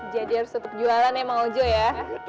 jadi harus tetap jualan emang ojo ya